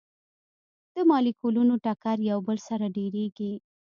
د مالیکولونو ټکر یو بل سره ډیریږي.